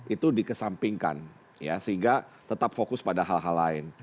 itu dikesampingkan ya sehingga tetap fokus pada hal hal lain